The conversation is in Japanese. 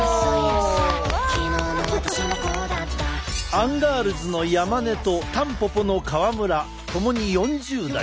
アンガールズの山根とたんぽぽの川村ともに４０代。